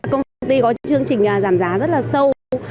công ty có chương trình giảm giá rất là sâu